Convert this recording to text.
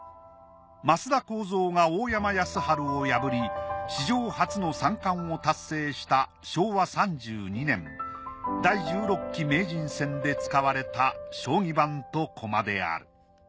升田幸三が大山康晴を破り史上初の三冠を達成した昭和３２年第１６期名人戦で使われた将棋盤と駒である。